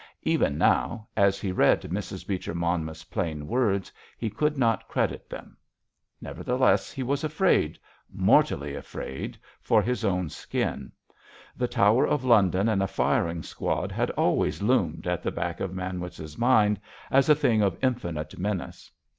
Even now, as he read Mrs. Beecher Monmouth's plain words, he could not credit them. Nevertheless he was afraid—mortally afraid—for his own skin. The Tower of London and a firing squad had always loomed at the back of Manwitz' mind as a thing of infinite menace.